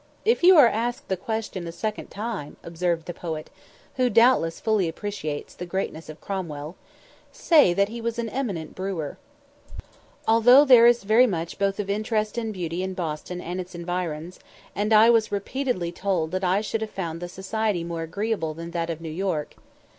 "If you are asked the question a second time," observed the poet, who doubtless fully appreciates the greatness of Cromwell, "say that he was an eminent brewer." Altogether there is very much both of interest and beauty in Boston and its environs; and I was repeatedly told that I should have found the society more agreeable than that of New York.